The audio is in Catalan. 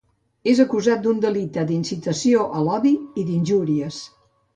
És acusat d’un delicte d’incitació a l’odi i d’injúries.